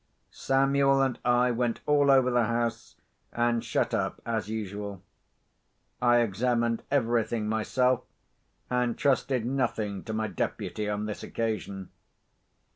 Samuel and I went all over the house, and shut up as usual. I examined everything myself, and trusted nothing to my deputy on this occasion.